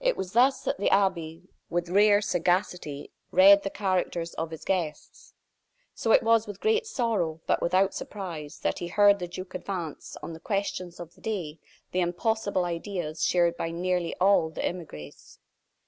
It was thus that the abbe, with rare sagacity, read the character of his guests. So it was with great sorrow, but without surprise, that he heard the duke advance, on the questions of the day, the impossible ideas shared by nearly all the emigres.